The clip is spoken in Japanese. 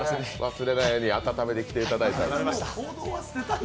忘れないように温めてきていただいて。